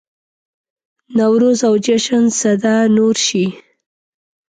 نوروز او جشن سده نور شي.